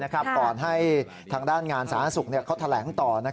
ก่อนให้ทางด้านงานสาธารณสุขเขาแถลงต่อ